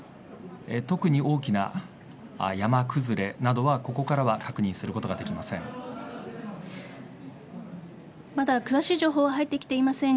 特に大きな山崩れなどはここからは確認することができません。